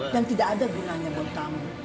dan tidak ada gulanya buat kamu